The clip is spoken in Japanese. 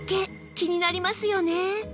気になりますよね？